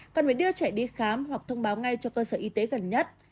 còn phải đưa trẻ đi khám hoặc thông báo ngay cho cơ sở y tế gần nhất